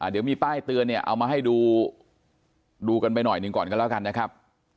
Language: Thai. เดี๋ยวมีป้ายเตือนเนี่ยเอามาให้ดูกันไปหน่อยหนึ่งก่อนกันแล้วกันนะครับ